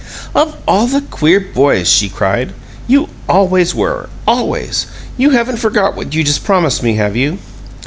"Of all the queer boys!" she cried. "You always were. Always! You haven't forgot what you just promised me, have you?"